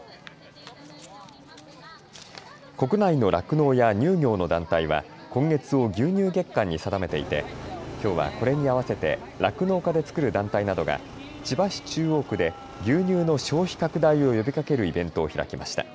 国内の酪農や乳業の団体は今月を牛乳月間に定めていて、きょうはこれに合わせて酪農家で作る団体などが千葉市中央区で牛乳の消費拡大を呼びかけるイベントを開きました。